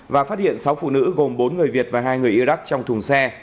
và phát hiện sáu phụ nữ gồm bốn người việt và hai người iraq trong thùng xe